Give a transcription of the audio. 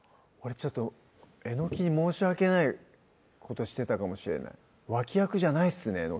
俺ちょっとえのきに申し訳ないことしてたかもしれない脇役じゃないっすね